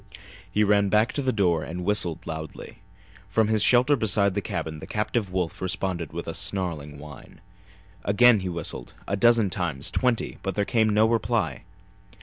He ran back to the door and whistled loudly. From his shelter beside the cabin the captive wolf responded with a snarling whine. Again he whistled, a dozen times, twenty, but there came no reply.